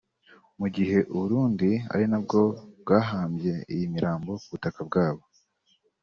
Mu gihe u Burundi ari nabwo bwahambye iyi mirambo ku butaka bwabo